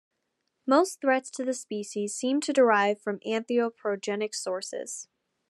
Most threats to the species seem to derive from anthropogenic sources.